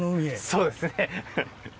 そうですね。